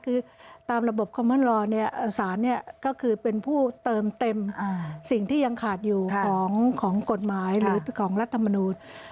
คือตามระบบคอมมันรอสารก็คือเป็นผู้เติมเต็มสิ่งที่ยังขาดอยู่ของกฎหมายหรือของรัฐมนูล